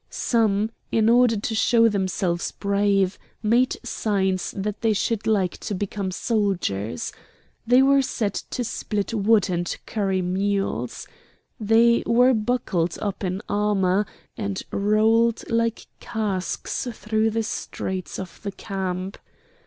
Some, in order to show themselves brave, made signs that they should like to become soldiers. They were set to split wood and to curry mules. They were buckled up in armour, and rolled like casks through the streets of the camp.